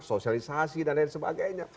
sosialisasi dan lain sebagainya